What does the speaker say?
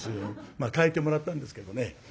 まあ変えてもらったんですけどね。